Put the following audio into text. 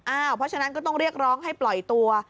เพราะฉะนั้นก็ต้องเรียกร้องให้ปล่อยตัว